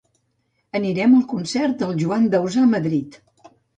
Anirem al concert del Joan Dausà a Madrid.